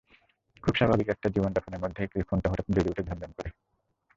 খুব স্বাভাবিক একটা জীবনযাপনের মধ্যেই ইকরির ফোনটা হঠাৎ বেজে ওঠে ঝনঝন করে।